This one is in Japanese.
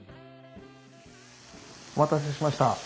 お待たせしました。